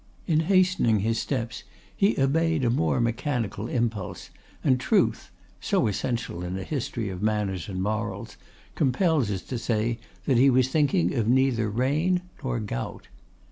In hastening his steps he obeyed a more mechanical impulse, and truth (so essential in a history of manners and morals) compels us to say that he was thinking of neither rain nor gout.